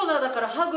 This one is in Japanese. ハグ。